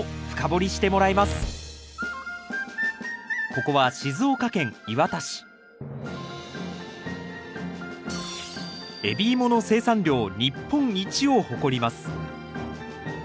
ここは海老芋の生産量日本一を誇ります。